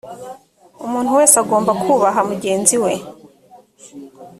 umuntu wese agomba kubaha mugenziwe.